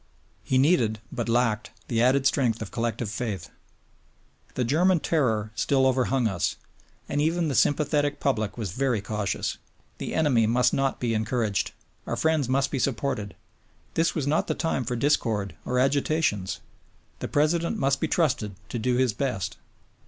He needed, but lacked, the added strength of collective faith. The German terror still overhung us, and even the sympathetic public was very cautious; the enemy must not be encouraged, our friends must be supported, this was not the time for discord or agitations, the President must be trusted to do his best.